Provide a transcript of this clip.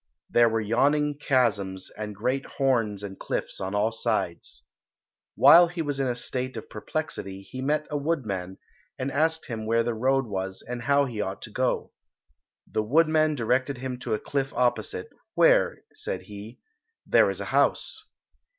There were yawning chasms and great horns and cliffs on all sides. While he was in a state of perplexity he met a woodman, and asked him where the road was and how he ought to go. The woodman directed him to a cliff opposite, "where," said he, "there is a house."